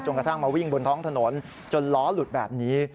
กระทั่งมาวิ่งบนท้องถนนจนล้อหลุดแบบนี้